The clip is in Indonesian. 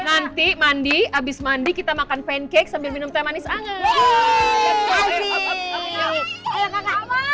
nanti mandi abis mandi kita makan pancake sambil minum teh manis banget